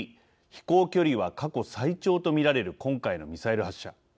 飛行距離は過去、最長と見られる今回のミサイル発射。